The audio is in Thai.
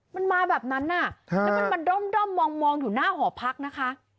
มันมาแบบนั้นแล้วมันมาด้อมมองอยู่หน้าหอพักนะคะ